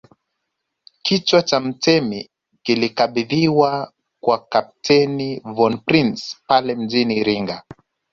Kichwa cha mtemi kilikabidhiwa kwa Kapteni von Prince pale mjini Iringa